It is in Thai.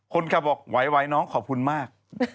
คนขับบอกไหวน้องขอบคุณมาก